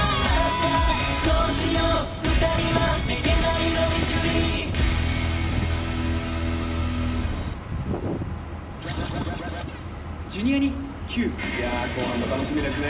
いや後半も楽しみですね。